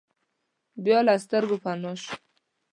بیا له سترګو پناه شوه.